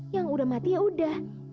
yang udah mati ya udah